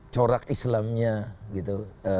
corak islamnya gitu